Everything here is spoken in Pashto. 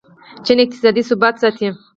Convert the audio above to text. چین اقتصادي ثبات ساتي.